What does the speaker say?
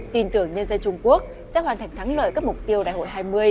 tin tưởng nhân dân trung quốc sẽ hoàn thành thắng lợi các mục tiêu đại hội hai mươi